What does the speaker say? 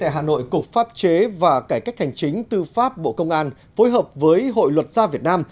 hà nội cục pháp chế và cải cách hành chính tư pháp bộ công an phối hợp với hội luật gia việt nam